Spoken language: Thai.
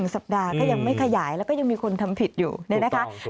สัปดาห์ก็ยังไม่ขยายแล้วก็ยังมีคนทำผิดอยู่เนี่ยนะคะ